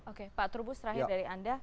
oke pak trubus terakhir dari anda